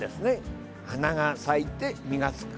花が咲いて、実がつく。